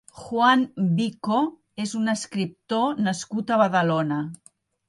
Juan Vico és un escriptor nascut a Badalona.